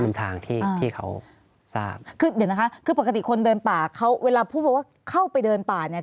เป็นทางที่ที่เขาทราบคือเดี๋ยวนะคะคือปกติคนเดินป่าเขาเวลาพูดบอกว่าเข้าไปเดินป่าเนี่ย